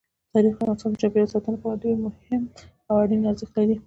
تاریخ د افغانستان د چاپیریال ساتنې لپاره ډېر مهم او اړین ارزښت لري.